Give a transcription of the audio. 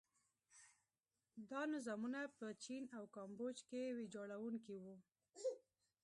دا نظامونه په چین او کامبوج کې ویجاړوونکي وو.